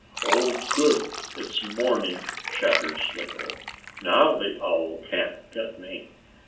"Oh, good! It's morning!" chattered Slicko. "Now the owl can't get me."